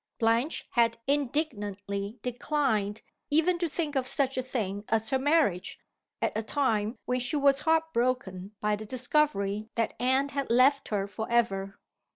Blanche had indignantly declined even to think of such a thing as her marriage, at a time when she was heart broken by the discovery that Anne had left her forever.